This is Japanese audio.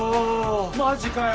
マジかよ